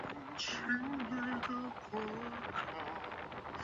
肩部的外旋活动受到限制的情形最严重。